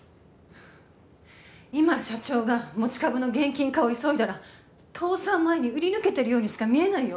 今社長が持ち株の現金化を急いだら倒産前に売り抜けてるようにしか見えないよ